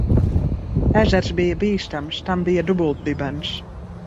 Ezers bija bīstams. Tam bija dubultdibens.